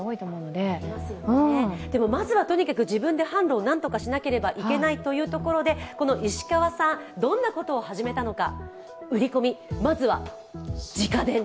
でも、まずはとにかく自分で販路を何とかしなければいけないというところでこの石川さん、どんなことを始めたのか。